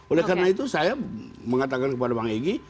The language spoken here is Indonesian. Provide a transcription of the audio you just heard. oleh karena itu saya mengatakan kepada bang egy